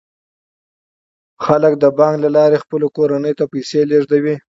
خلک د بانک له لارې خپلو کورنیو ته پیسې لیږدوي.